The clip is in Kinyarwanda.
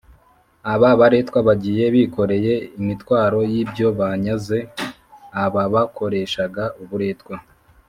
aba baretwa bagiye bikoreye imitwaro y’ibyo banyaze ababakoreshaga uburetwa.